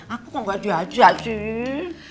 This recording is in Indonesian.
aku kok gak diajak sih